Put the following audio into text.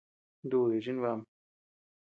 Ndudi chimbaʼam.